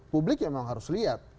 publik memang harus lihat